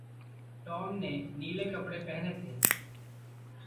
Tom ने नीले कपड़े पहने थे।